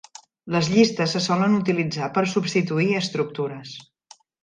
Les llistes se solen utilitzar per substituir estructures.